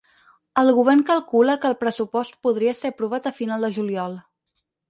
El govern calcula que el pressupost podria ser aprovat a final de juliol.